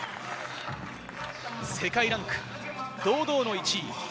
世界ランク堂々１位。